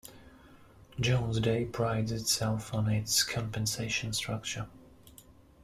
Jones Day prides itself on its compensation structure.